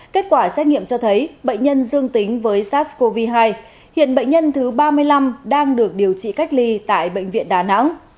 kết quả xét nghiệm cho thấy bệnh nhân dương tính với sars cov hai hiện bệnh nhân thứ ba mươi năm đang được điều trị cách ly tại bệnh viện đà nẵng